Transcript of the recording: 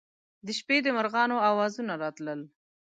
د شپې د مرغانو اوازونه راتلل.